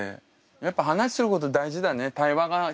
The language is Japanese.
やっぱ話すること大事だね対話が必要だから。